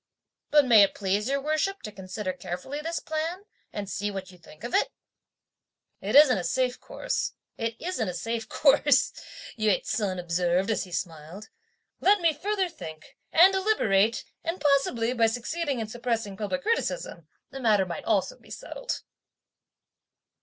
But may it please your worship to consider carefully this plan and see what you think of it?" "It isn't a safe course! It isn't a safe course!" Yü ts'un observed as he smiled. "Let me further think and deliberate; and possibly by succeeding in suppressing public criticism, the matter might also be settled."